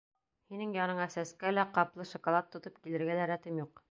Һинең яныңа сәскә лә, ҡаплы шоколад тотоп килергә лә рәтем юҡ.